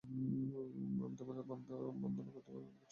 আমি তোমারই বন্দনা করতে চললুম।